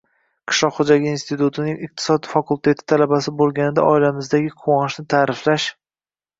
£ishloq xo`jaligi institutining iqtisod fakulteti talabasi bo`lganida oilamizdagi quvonchni ta`riflash